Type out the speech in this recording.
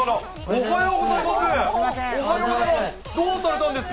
おはようございます。